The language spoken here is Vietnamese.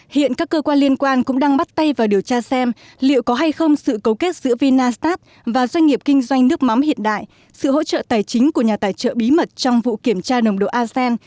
hiện các cơ quan liên quan cũng đang bắt tay vào điều tra xem liệu có hay không sự cấu kết giữa vinastat và doanh nghiệp kinh doanh nước mắm hiện đại sự hỗ trợ tài chính của nhà tài trợ bí mật trong vụ kiểm tra nồng độ asean